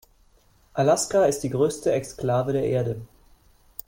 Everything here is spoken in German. Alaska ist die größte Exklave der Erde.